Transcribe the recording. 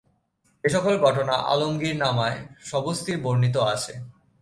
এ সকল ঘটনা আলমগীরনামায় সবিস্তারে বর্ণিত আছে।